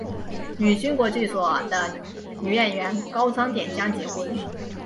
与新国剧所的女演员高仓典江结婚。